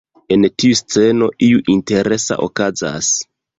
En tiu sceno, iu interesa okazas.